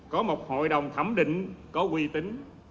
có một hội đồng thẩm định có quy tính